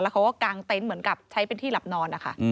เขาก็กางเต็นต์เหมือนกับใช้เป็นที่หลับนอนนะคะ